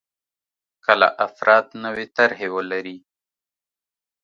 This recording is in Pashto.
کله افراد نوې طرحې ولري.